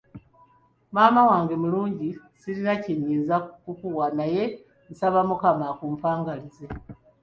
Maama wange omulungi ssirina kye nnyinza kukuwa naye nsaba Mukama akumpangaalize!